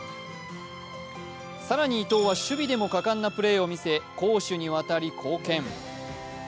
更に伊東は守備でも果敢なプレーを見せ、攻守にわたり貢献。